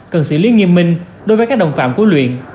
cần xử lý nghiêm minh đối với các đồng phạm của luyện